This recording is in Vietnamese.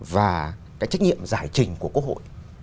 và cái trách nhiệm giải trình của quốc hội